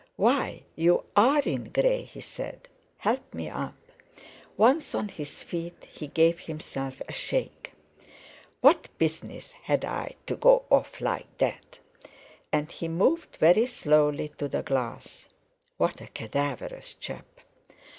"Why! You are in grey!" he said. "Help me up." Once on his feet he gave himself a shake. "What business had I to go off like that!" And he moved very slowly to the glass. What a cadaverous chap!